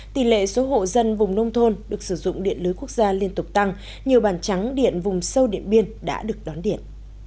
tỷ lệ số hộ dân vùng nông thôn được sử dụng điện lưới quốc gia liên tục tăng nhiều bàn trắng điện vùng sâu điện biên đã được đón điện